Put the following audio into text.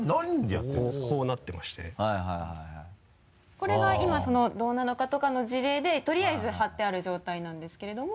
これが今「どうなの課」とかの事例でとりあえず貼ってある状態なんですけれども。